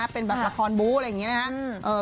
เป็นแบบละครบู้อะไรอย่างนี้นะครับ